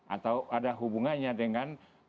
atau ada hubungannya dengan